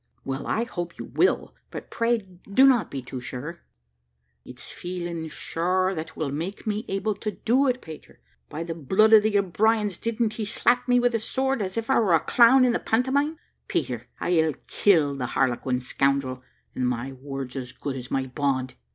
"Well, I hope you will; but pray do not be too sure." "It's feeling sure that will make me able to do it, Peter. By the blood of the O'Briens! didn't he slap me with his sword, as if I were a clown in the pantomime Peter, I'll kill the harlequin scoundrel, and my word's as good as my bond!"